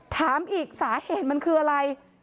ถามอีกสาเหตุมันคืออะไร